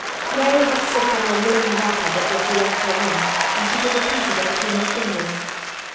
Mary had slipped on a woolen wrapper before she left her room and she put a piece of it between his fingers.